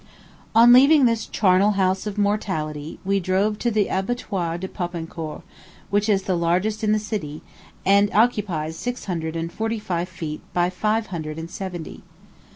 On leaving this charnel house of mortality, we drove to the Abattoir de Popincourt, which is the largest in the city, and occupies six hundred and forty five feet by fire hundred and seventy.